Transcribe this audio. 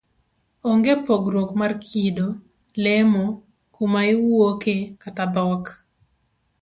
Onge' pogruok mar kido, lemo, kuma iwuoke kata dhok.